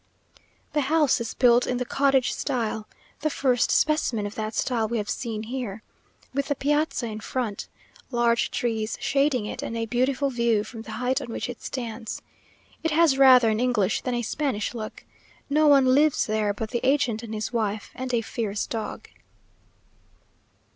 The house is built in the cottage style (the first specimen of that style we have seen here), with the piazza in front, large trees shading it, and a beautiful view from the height on which it stands. It has rather an English than a Spanish look. No one lives there but the agent and his wife and a fierce dog.